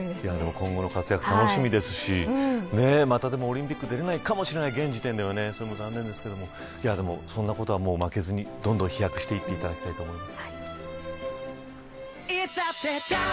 今後の活躍が楽しみですしオリンピックに出られないかもしれないけど、現時点では残念ですがそんなことには負けずにどんどん飛躍してほしいと思います。